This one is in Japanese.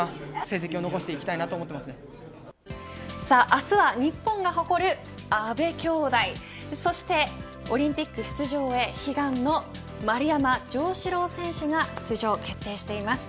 明日は日本が誇る阿部きょうだいそしてオリンピック出場へ悲願の丸山城志郎選手が出場決定しています。